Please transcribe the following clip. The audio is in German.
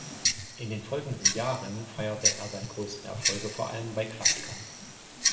In den folgenden Jahren feierte er seine größten Erfolge vor allem bei Klassikern.